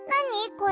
これ。